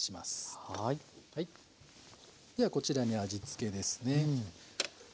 ではこちらに味付けですね。